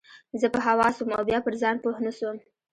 زه په هوا سوم او بيا پر ځان پوه نه سوم.